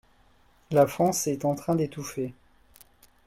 La France est en train d’étouffer.